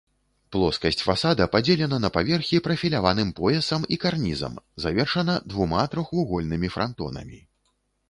Плоскасць фасада падзелена на паверхі прафіляваным поясам і карнізам, завершана двума трохвугольнымі франтонамі.